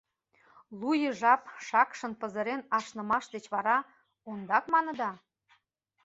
— Лу ий жап шакшын пызырен ашнымаш деч вара, ондак маныда?